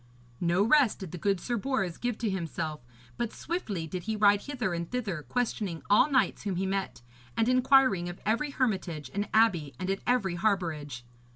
No rest did the good Sir Bors give to himself, but swiftly did he ride hither and thither questioning all knights whom he met, and inquiring of every hermitage and abbey and at every harbourage.